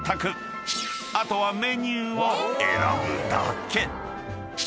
［あとはメニューを選ぶだけ］